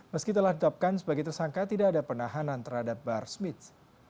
meski telah ditetapkan sebagai tersangka tidak ada penahanan terhadap bahar smith